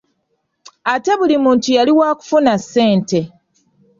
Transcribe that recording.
Ate buli muntu yali waakufuna ssente.